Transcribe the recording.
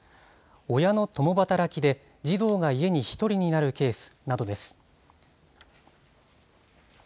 親の共働きで児童が家に１人になるケースなどです。